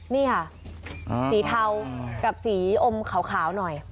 นี่ค่ะสีเทากับสีอมขาวหน่อย